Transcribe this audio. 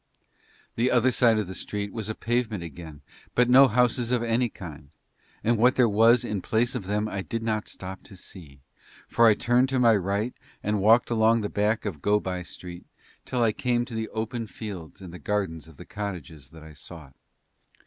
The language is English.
The other side of the street there was pavement again but no houses of any kind, and what there was in place of them I did not stop to see, for I turned to my right and walked along the back of Go by Street till I came to the open fields and the gardens of the cottages that I sought.